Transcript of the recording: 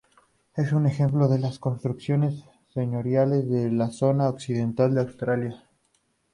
Es un ejemplo de las construcciones señoriales de la zona occidental de Asturias.